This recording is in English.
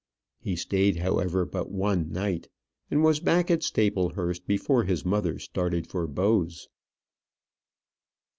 He stayed, however, but one night, and was back at Staplehurst before his mother started for Bowes.